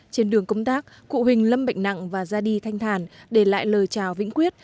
trên đường công tác cụ huỳnh lâm bệnh nặng và ra đi thanh thàn để lại lời chào vĩnh quyết